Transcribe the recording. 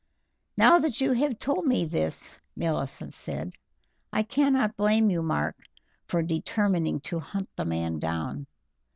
"Now that you have told me this," Millicent said, "I cannot blame you, Mark, for determining to hunt the man down.